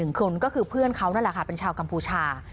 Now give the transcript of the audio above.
มีคนบรรเจ็บอีกหนึ่งคือเพื่อนนั่นละค่ะเป็นชาวกัมภูชา